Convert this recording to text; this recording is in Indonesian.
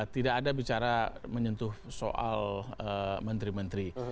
tidak ada bicara menyentuh soal menteri menteri